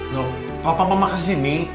no kalau pak mama kesini